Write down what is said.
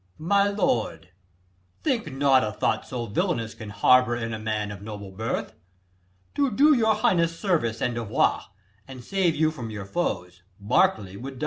Berk. My lord, think not a thought so villanous Can harbour in a man of noble birth. To do your highness service and devoir, And save you from your foes, Berkeley would die.